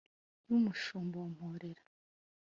y’ umushumba wa mporera